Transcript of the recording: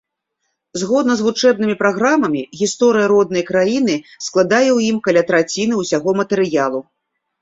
Згодна з вучэбнымі праграмамі, гісторыя роднай краіны складае ў ім каля траціны ўсяго матэрыялу.